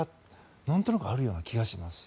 なんとなくあるような気がします。